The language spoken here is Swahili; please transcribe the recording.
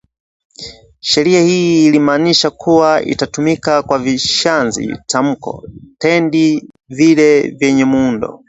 Sheria hii ilimaanisha kuwa itatumika kwa vishazi tamko- tendi vile vyenye muundo